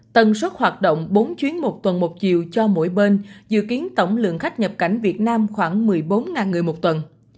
tần suất hoạt động bốn chuyến một tuần một chiều cho mỗi bên dự kiến tổng lượng khách nhập cảnh việt nam khoảng một mươi bốn người một tuần